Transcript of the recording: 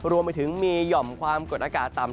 รวมไปถึงมีหย่อมความกดอากาศต่ำ